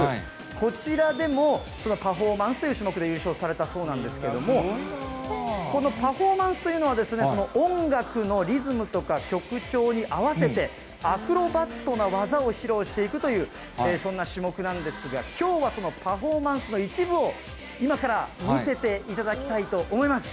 こちらでも、そのパフォーマンスという種目で優勝されたそうなんですけれども、このパフォーマンスというのは、音楽のリズムとか曲調に合わせて、アクロバットな技を披露していくという、そんな種目なんですが、きょうはそのパフォーマンスの一部を今から見せていただきたいと思います。